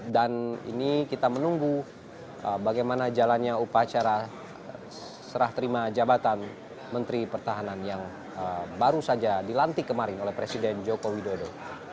dan ini kita menunggu bagaimana jalannya upacara serah terima jabatan menteri pertahanan yang baru saja dilantik kemarin oleh presiden joko widodo